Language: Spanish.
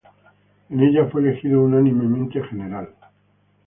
En ella fue elegido unánimemente general.